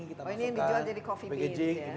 ini yang dijual jadi kopi